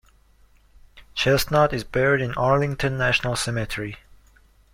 Chestnut is buried in Arlington National Cemetery.